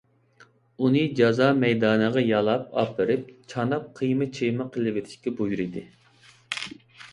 ئۇنى جازا مەيدانىغا يالاپ ئاپىرىپ، چاناپ قىيما - چىيما قىلىۋېتىشكە بۇيرۇدى.